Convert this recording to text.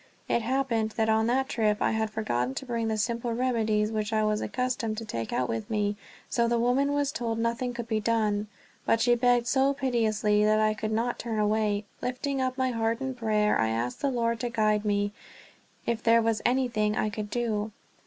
It happened that on that trip I had forgotten to bring the simple remedies which I was accustomed to take out with me, so the woman was told nothing could be done. But she begged so piteously that I could not turn away; and lifting up my heart in prayer I asked the Lord to guide me, if there was anything I could do.